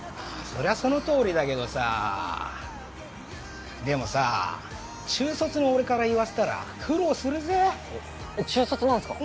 それはそのとおりだけどさでもさ中卒の俺から言わせたら苦労するぜ中卒なんすか？